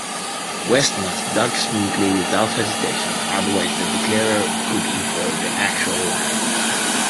West must duck smoothly, without hesitation, otherwise the declarer could infer the actual layout.